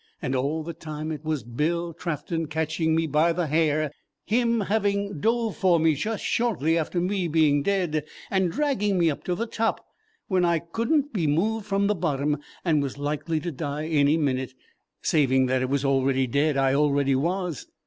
And all the time it was Bill Trafton catching me by the hair, him having dove for me just shortly after me being dead, and dragging me to the top when I could n't be moved from the bottom, and was likely to die any minute, saving that it was dead already I was.